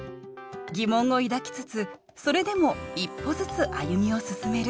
疑問を抱きつつそれでも一歩ずつ歩みを進める。